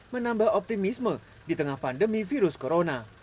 menambah optimisme di tengah pandemi virus corona